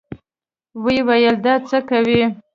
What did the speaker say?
ويې ويل دا څه کوې.